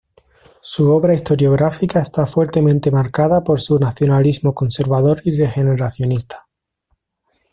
Su obra historiográfica está fuertemente marcada por su nacionalismo conservador y regeneracionista.